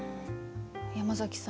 山崎さん